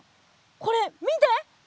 これ見て！